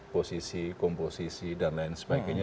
posisi komposisi dan lain sebagainya